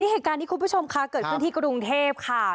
เหตุการณ์นี้คุณผู้ชมค่ะเกิดขึ้นที่กรุงเทพค่ะ